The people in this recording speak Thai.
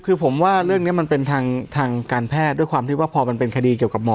คือผมว่าเรื่องนี้มันเป็นทางการแพทย์ด้วยความที่ว่าพอมันเป็นคดีเกี่ยวกับหมอ